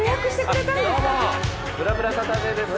どうも『ぶらぶらサタデー』です